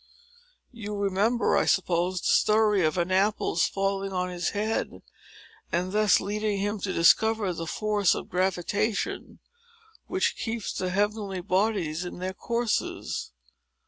You remember, I suppose, the story of an apple's falling on his head, and thus leading him to discover the force of gravitation, which keeps the heavenly bodies in their courses.